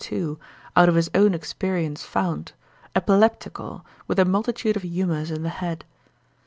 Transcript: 2, out of his own experience found, epileptical, with a multitude of humours in the head.